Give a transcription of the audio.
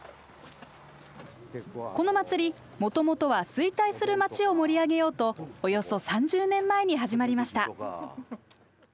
この祭りもともとは衰退する町を盛り上げようとおよそ３０年前に始まりました。